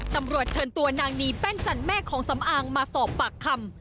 ตำรวจเชิญตัวนางนีแป้นสันแม่ของสำอางมาสอบปากคำ